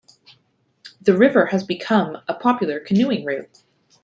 The river has become a popular canoeing route.